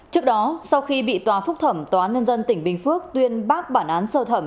trước đó sau khi bị tòa phúc thẩm tòa án nhân dân tỉnh bình phước tuyên bác bản án sơ thẩm